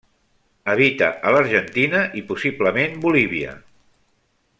Habita a l'Argentina i possiblement Bolívia.